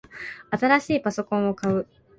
新しいパソコンを買う